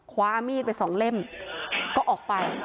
คว้ามีดไปสองเล่มก็ออกไป